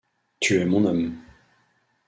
Tu es mon homme.